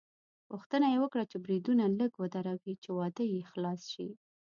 غوښتنه یې وکړه چې بریدونه لږ ودروي چې واده یې خلاص شي.